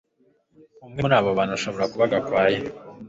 Umwe muri abo bantu ashobora kuba Gakwaya